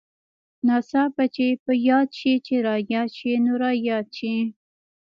ناڅاپه چې په ياد شې چې راياد شې نو راياد شې.